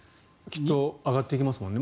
きっと上がっていきますもんね。